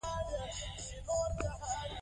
مور د ماشومانو د روغتیا په اړه فعال رول لوبوي.